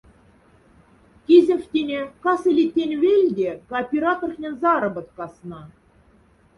Кизефтине, касы ли тянь вельде кооператорхнень заработкасна.